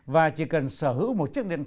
và chỉ cần sở hữu một chiếc điện tử